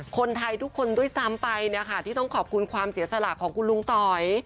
คนไทยทุกคนด้วยซ้ำไปเนี่ยค่ะที่ต้องขอบคุณความเสียสละของคุณลุงต๋อย